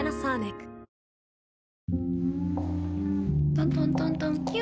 トントントントンキュ。